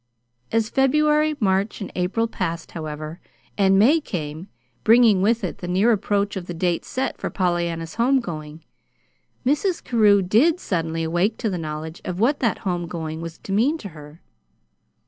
As February, March, and April passed, however, and May came, bringing with it the near approach of the date set for Pollyanna's home going, Mrs. Carew did suddenly awake to the knowledge of what that home going was to mean to her.